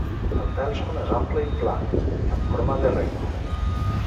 El tèlson és ample i pla, en forma de rem.